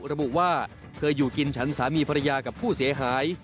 ระบุว่าเคยอยู่กินฉันสามีภรรยากับผู้เสียหาย